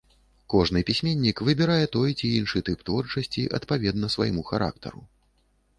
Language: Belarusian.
Кожны пісьменнік выбірае той ці іншы тып творчасці адпаведна свайму характару.